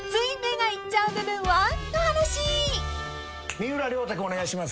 三浦太君お願いします。